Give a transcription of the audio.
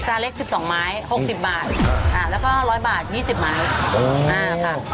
จานเล็ก๑๒ไม้๖๐บาทอ่าแล้วก็๑๐๐บาท๒๐ไม้โอ้